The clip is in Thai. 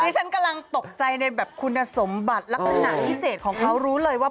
ฉันกำลังตกใจในแบบคุณสมบัติลักษณะพิเศษของเขารู้เลยว่า